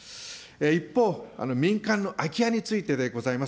一方、民間の空き家についてでございます。